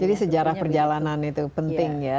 jadi sejarah perjalanan itu penting ya